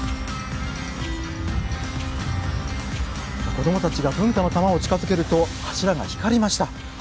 子供たちが文化の玉を近づけると柱が光りました。